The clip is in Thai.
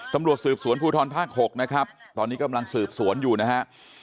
ตำรวจสืบสวนภูทรภาค๖นะครับตอนนี้กำลังสืบสวนอยู่นะฮะ